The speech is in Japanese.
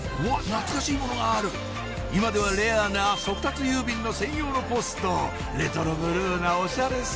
懐かしいものがある今ではレアな速達郵便の専用のポストレトロブルーなオシャレさん